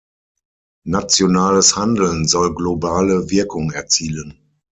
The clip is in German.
Nationales Handeln soll globale Wirkung erzielen.